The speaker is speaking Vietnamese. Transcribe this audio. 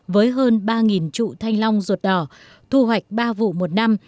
với hơn ba trụ thanh long ruột đỏ thu hoạch ba vụ một năm